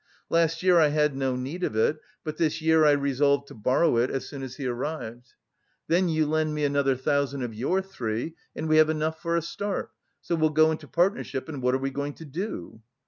Last year I had no need of it, but this year I resolved to borrow it as soon as he arrived. Then you lend me another thousand of your three and we have enough for a start, so we'll go into partnership, and what are we going to do?"